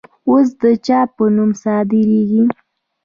اوس د چا په نوم صادریږي؟